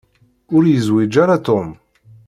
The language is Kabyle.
Ur yezwiǧ ara Tom.